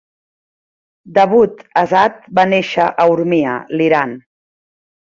Davood Azad va néixer a Urmia, l'Iran.